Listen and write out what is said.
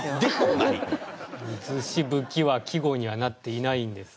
水しぶきは季語にはなっていないんです。